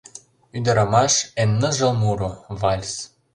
Ӱдырамаш — эн ныжыл муро, вальс!